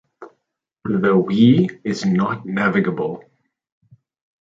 The Ui is not navigable.